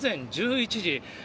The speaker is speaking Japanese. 現在、午前１１時。